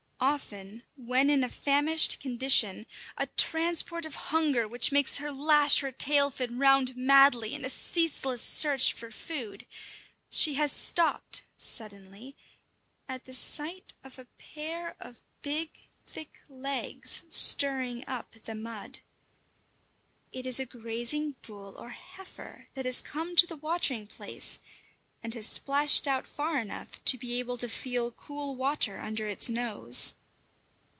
Often, when in a famished condition, a transport of hunger which makes her lash her tail fin round madly in a ceaseless search for food, she has stopped suddenly at the sight of a pair of big, thick legs stirring up the mud. It is a grazing bull or heifer that has come to the watering place, and has splashed out far enough to be able to feel cool water under its nose.